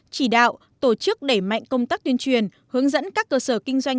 chỉ đạo tổ chức đẩy mạnh công tác tuyên truyền hướng dẫn các cơ sở kinh doanh